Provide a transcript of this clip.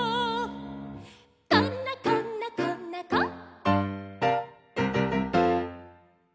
「こんなこんなこんなこ」